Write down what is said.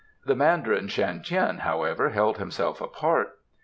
The Mandarin Shan Tien, however, held himself apart.